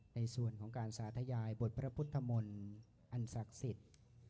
ในส่วนของการสาธยายบทพระพุทธมนต์อันศักดิ์สิทธิ์